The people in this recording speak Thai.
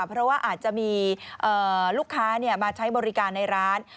เพราะว่าอาจจะมีลูกค้ามาใช้บริการในร้าน